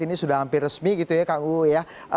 ini sudah hampir resmi gitu ya kang uu ya